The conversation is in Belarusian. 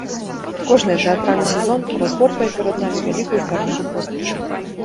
Кожны тэатральны сезон разгортвае перад намі вялікую старонку поспехаў.